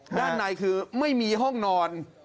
ด้านในคือไม่มีห้องนอน